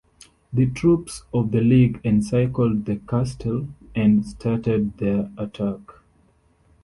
The troops of the League encircled the castle and started their attack.